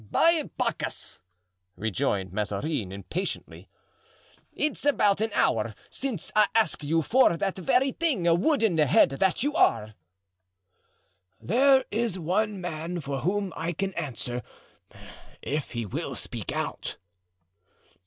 "By Bacchus!" rejoined Mazarin, impatiently, "it's about an hour since I asked you for that very thing, wooden head that you are." "There is one man for whom I can answer, if he will speak out."